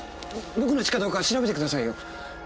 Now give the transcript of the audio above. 僕の血かどうか調べてくださいよ。